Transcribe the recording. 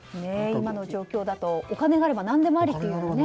今の状況だとお金があれば何でもありとね。